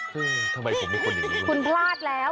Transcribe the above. เฮ่ยทำไมผมมีคนอย่างนี้มากเหรอครับคุณพลาดแล้ว